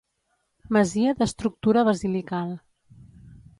Masia d'estructura basilical.